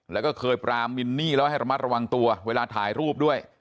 แล้วก็เคยปรามมินนี่แล้วให้ระมัดระวังตัวเวลาถ่ายรูปด้วย